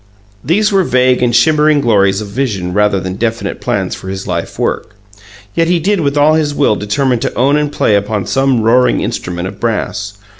These were vague and shimmering glories of vision rather than definite plans for his life work, yet he did with all his will determine to own and play upon some roaring instrument of brass.